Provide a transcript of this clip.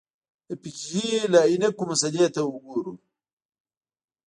د فقهې له عینکو مسألې ته وګورو.